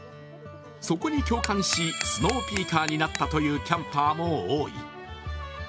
そこに共感し、スノーピーカーになったというキャンパーも多い。